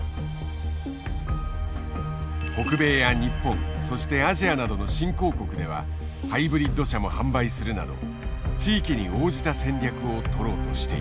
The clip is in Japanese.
北米や日本そしてアジアなどの新興国ではハイブリッド車も販売するなど地域に応じた戦略を取ろうとしている。